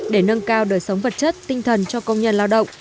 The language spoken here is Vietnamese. để nâng cao đời sống vật chất tinh thần cho công nhân lao động